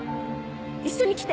一緒に来て。